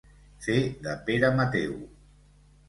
Fer de Pere Mateu.